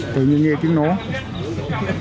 tự nhiên nghe tiếng nói